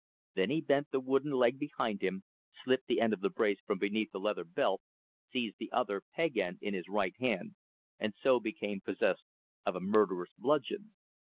There he bent the wooden leg behind him, slipped the end of the brace from beneath the leather belt, seized the other, peg end in his right hand, and so became possessed of a murderous bludgeon.